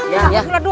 jangan salah iya